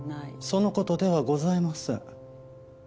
その事ではございません。